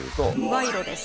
賄賂です。